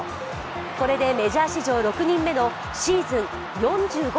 これでメジャー史上６人目のシーズン４５